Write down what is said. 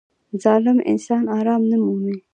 • ظالم انسان آرام نه مومي.